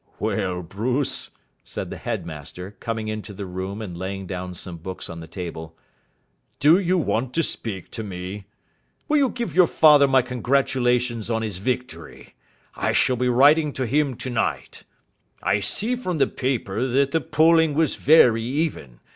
"Well, Bruce," said the headmaster, coming into the room and laying down some books on the table, "do you want to speak to me? Will you give your father my congratulations on his victory. I shall be writing to him tonight. I see from the paper that the polling was very even.